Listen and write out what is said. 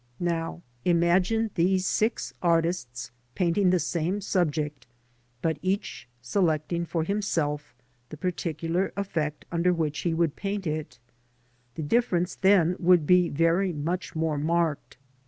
Now imagine these six artists painting the same subject, but each selecting for himself the particular effect under which he would paint it; the difference then would be very much more marked.